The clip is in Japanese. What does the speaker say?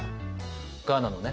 ガーナのね